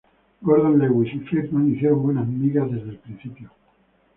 Gordon Lewis y Friedman hicieron buenas migas desde el principio.